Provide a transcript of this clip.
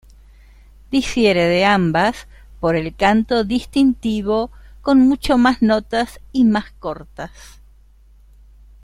Difiere de ambas por el canto distintivo, con mucho más notas y más cortas.